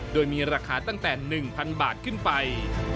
โดยมีราคาตั้งแต่๑๐๐๐บาทขึ้นไป